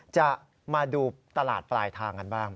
จะมาดูตลาดปลายทางกันบ้าง